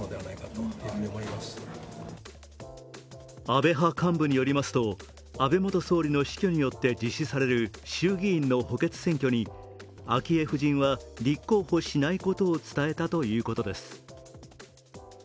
安倍派幹部によりますと、安倍元総理の死去によって実施される衆議院の補欠選挙に昭恵夫人は立候補しないことを伝えたということです。